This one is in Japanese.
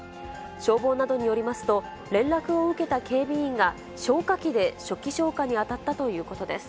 消防などによりますと、連絡を受けた警備員が消火器で初期消火にあたったということです。